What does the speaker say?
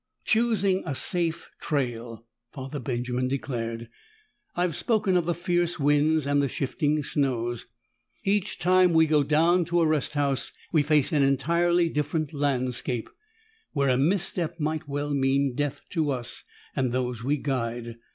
"Choosing a safe trail," Father Benjamin declared. "I've spoken of the fierce winds and shifting snows. Each time we go down to a rest house, we face an entirely different landscape, where a misstep might well mean death to us and those we guide.